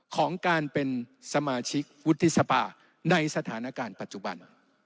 ของการเป็นสมาชิกวุฒิสภาในสถานการณ์ปัจจุบัน